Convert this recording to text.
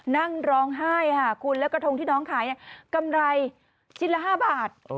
นั่งร้องไห้ค่ะคุณแล้วกระทงที่น้องขายกำไรชิ้นละ๕บาท